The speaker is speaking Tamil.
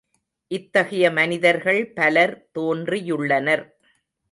இத்தகைய மனிதர்கள் பலர் தோன்றியுள்ளனர்.